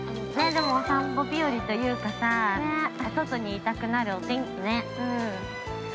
でも、お散歩日和というかお外にいたくなるお天気ね。